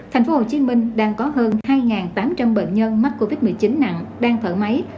thành phố hồ chí minh đang có hơn hai tám trăm linh bệnh nhân mắc covid một mươi chín nặng đang thở máy